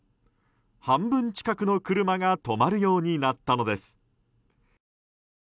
半分近くの車が止まるようになったのです。